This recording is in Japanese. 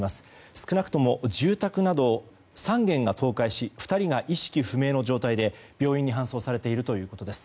少なくとも住宅など３軒が倒壊し２人が意識不明の状態で病院に搬送されているということです。